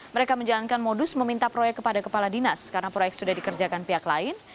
mereka menjalankan modus meminta proyek kepada kepala dinas karena proyek sudah dikerjakan pihak lain